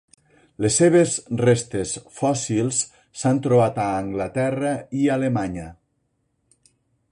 Les seves restes fòssils s'han trobat a Anglaterra i Alemanya.